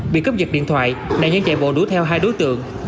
bị cướp giật điện thoại đại nhân chạy bộ đua theo hai đối tượng